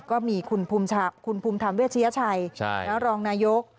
ก็มีคุณภูมิทำเวียทะเชภาณรองณายก